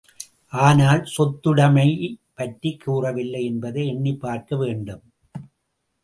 ஆனால், சொத்துடைமை பற்றிக் கூறவில்லை என்பதை எண்ணிப்பார்க்க வேண்டும்.